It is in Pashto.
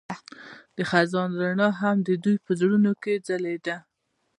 د خزان رڼا هم د دوی په زړونو کې ځلېده.